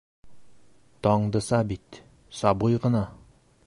Таңдыса бит... сабый ғына!